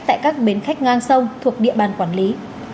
tại các bến khách ngang sông thuộc địa bàn quản lý